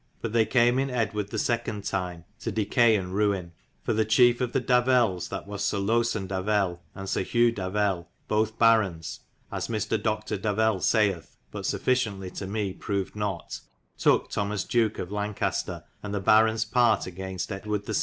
But they cam in Edwarde the 2. tyme to decay and ruine. For the chief of the Davelles, that was Syr Loson Davelle and Syr Hugh Davelle, both barons (as Mr. Doctor Davelle sayith, but sufficiently to me provid not,) toke Thomas Duke * of Lancaster and the barons part agayne Edwarde the 2.